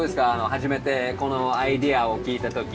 初めてこのアイデアを聞いた時。